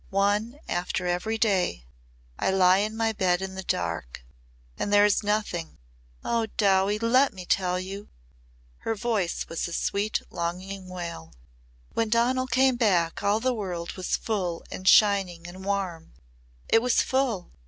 One after every day. I lie in my bed in the dark. And there is Nothing! Oh! Dowie, let me tell you!" her voice was a sweet longing wail. "When Donal came back all the world was full and shining and warm! It was full.